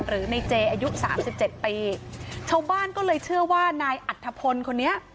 หรือในเจอายุสามสิบเจ็ดปีชาวบ้านก็เลยเชื่อว่านายอัธพลคนนี้